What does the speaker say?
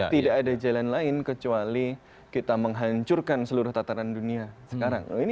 tidak ada jalan lain kecuali kita menghancurkan seluruh tatanan dunia sekarang